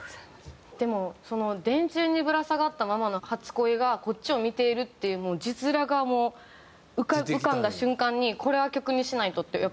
でもその「電柱にぶら下がったままの初恋がこっちを見ている」っていう字面がもう浮かんだ瞬間にこれは曲にしないと！ってやっぱ思った。